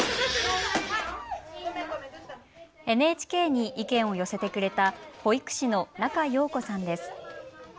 ＮＨＫに意見を寄せてくれた保育士の仲葉子さんです。